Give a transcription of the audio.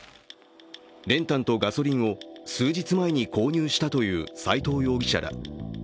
練炭とガソリンを数日前に購入したという斉藤容疑者ら。